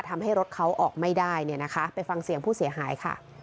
ทำให้รถเขาออกไม่ได้เนี่ยนะคะไปฟังเสียงผู้เสียหายค่ะ